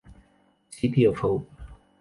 City Of Hope.